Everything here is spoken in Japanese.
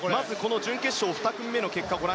準決勝２組目の結果です。